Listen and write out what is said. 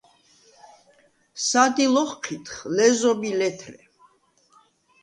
სადილ ოხჴიდხ – ლეზობ ი ლეთრე.